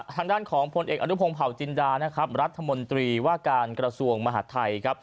ทางด้านของพลเอกอนุพงศ์เผาจินดานะครับรัฐมนตรีว่าการกระทรวงมหาดไทยครับ